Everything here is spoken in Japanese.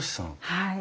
はい。